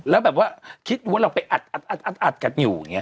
แล้วแบบว่าคิดดูว่าเราไปอัดกันอยู่อย่างนี้